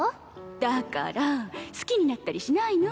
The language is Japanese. だから好きになったりしないの？